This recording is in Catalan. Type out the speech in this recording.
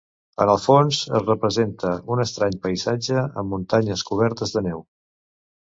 En el fons es representa un estrany paisatge amb muntanyes cobertes de neu.